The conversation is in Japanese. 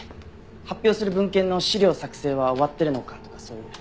発表する文献の資料作成は終わってるのかとかそういう。